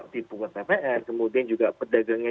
dipungut ppn kemudian juga pedagangnya